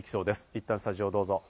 いったんスタジオどうぞ。